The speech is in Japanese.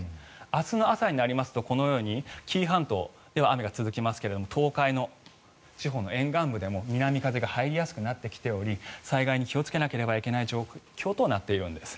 明日の朝になりますと紀伊半島では雨が続きますが東海地方沿岸部でも南風が入りやすくなっており災害に気をつけなければいけない状況となっているんです。